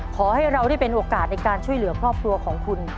ขอให้เราได้เป็นโอกาสในการช่วยเหลือครอบครัวของคุณ